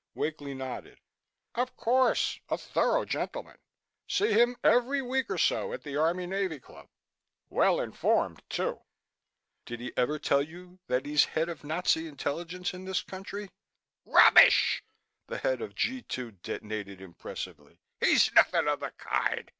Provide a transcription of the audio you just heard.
Wakely nodded. "Of course, a thorough gentleman. See him every week or so at the Army Navy Club. Well informed, too." "Did he ever tell you that he's head of Nazi intelligence in this country?" "Rubbish!" The head of G 2 detonated impressively. "He's nothing of the kind.